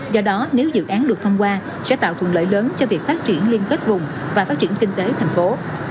do đó nếu dự án được thông qua sẽ tạo thuận lợi lớn cho việc phát triển liên kết vùng và phát triển kinh tế thành phố